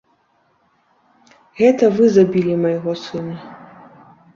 Гэта вы забілі майго сына!